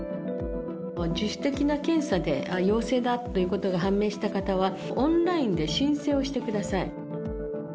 自主的な検査で、陽性だということが判明した方は、オンラインで申請をしてください。